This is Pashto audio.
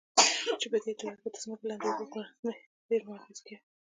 چې پدې توګه د ځمکې لاندې اوبو پر زېرمو اغېز کوي.